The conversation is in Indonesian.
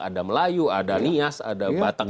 ada melayu ada nias ada batang